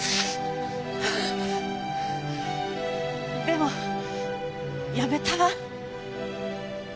でもやめたわ。